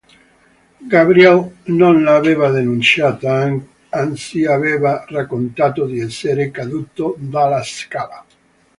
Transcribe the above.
Gabriel non l'aveva denunciata, anzi aveva raccontato di essere caduto dalla scala.